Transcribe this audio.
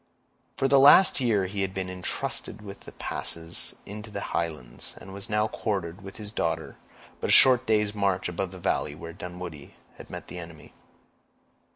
For the last year he had been intrusted with the passes into the Highlands, and was now quartered, with his daughter, but a short day's march above the valley where Dunwoodie had met the enemy.